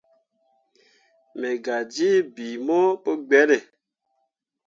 Me gah jii bii mo pu gbelle.